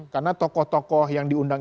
karena tokoh tokoh yang diundang